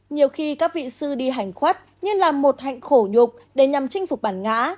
nhiều khi các vị sư đi hành khuất như là một hạnh khổ nhục để nhằm chinh phục bản ngã